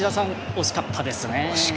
惜しかったですね。